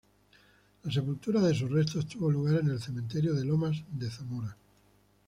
La sepultura de sus restos tuvo lugar en el cementerio de Lomas de Zamora.